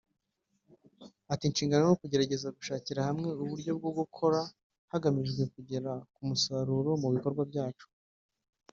Ati “Inshingano ni ukugerageza gushakira hamwe uburyo bwo gukora hagamijwe kugera ku musaruro mu bikorwa byacu